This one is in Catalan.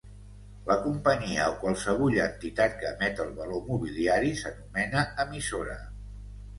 La companyia o qualsevulla entitat que emet el valor mobiliari s'anomena emissora.